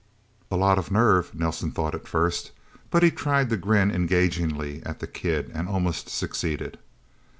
A lot of nerve, Nelsen thought first. But he tried to grin engagingly at the kid and almost succeeded.